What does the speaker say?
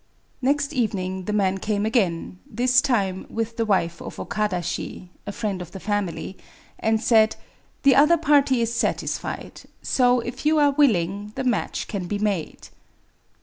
Next evening the man came again, — this time with the wife of Okada Shi * \a friend of the family^ ,— and said :—'' The other party is satisfied ;— so, if you are willing, the match can be made."